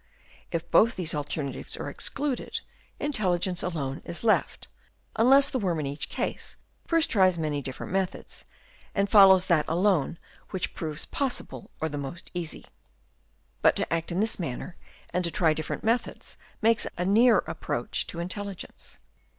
If both these alternatives are ex cluded, intelligence alone is left ; unless the worm in each case first tries many different methods, and follows that alone which proves possible or the most easy ; but to act G 68 HABITS OF WORMS. Chap. II. in this manner and to try different methods makes a near approach to intelligence.